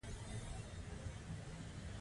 د مامورینو کارکړنه هم په دقیق ډول ارزیابي کیږي.